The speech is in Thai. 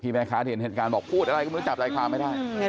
พี่แม่คะเห็นเหตุการณ์บอกพูดอะไรก็ไม่รู้จักอะไรความไม่ได้